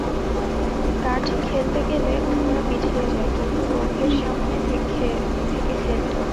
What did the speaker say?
কাট খেলতে গেলে অন্যরা পিছিয়ে যায়, কিন্তু গম্ভীর সামনে থেকে খেলত।